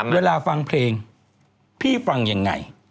เวลาฟังเพลงพี่ฟังยังไง